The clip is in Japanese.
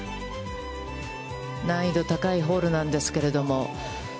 難易度高いホールなんですけれども。